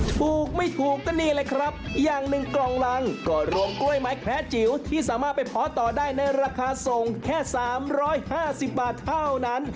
ถูกไม่ถูกก็นี่เลยครับอย่างหนึ่งกล่องรังก็รวมกล้วยไม้แคละจิ๋วที่สามารถไปเพาะต่อได้ในราคาส่งแค่๓๕๐บาทเท่านั้น